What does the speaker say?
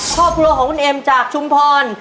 ครอบครัวของคุณเอ็มจากชุมพร